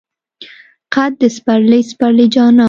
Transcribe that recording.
قد د سپرلی، سپرلی جانان